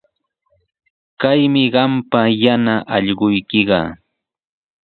Kaymi qampa yana allquykiqa.